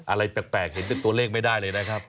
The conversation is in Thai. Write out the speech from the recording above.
อะไรแปลกเห็นเป็นตัวเลขไม่ได้เลยนะครับ